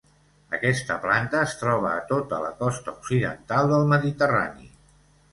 Aquesta planta es troba a tota la costa occidental del mediterrani.